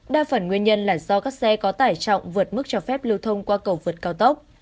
đa phần nguyên nhân là do các xe có tải trọng vượt mức cho phép lưu thông qua cầu vượt cao tốc